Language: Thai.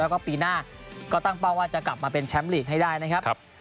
แล้วก็ปีหน้าก็ตั้งเป้าว่าจะกลับมาเป็นแชมป์ลีกให้ได้นะครับ